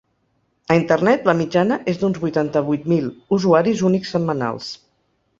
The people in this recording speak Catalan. A internet, la mitjana és d’uns vuitanta-vuit mil usuaris únics setmanals.